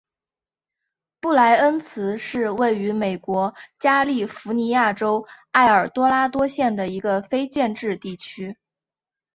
布赖恩茨是位于美国加利福尼亚州埃尔多拉多县的一个非建制地区。